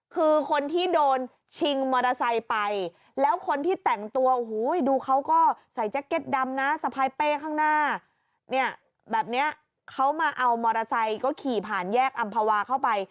คือคนที่โดนชิงมอเตอร์ไซ